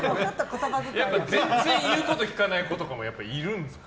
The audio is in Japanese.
全然言うこと聞かない子とかもいるんですか？